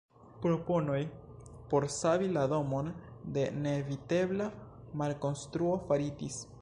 Proponoj por savi la domon de neevitebla malkonstruo faritis.